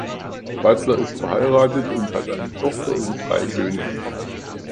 Butler ist verheiratet und hat eine Tochter und drei Söhne.